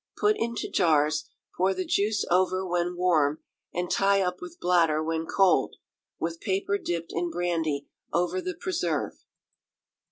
Put into jars, pour the juice over when warm, and tie up with bladder when cold, with paper dipped in brandy over the preserve.